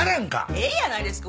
ええやないですか。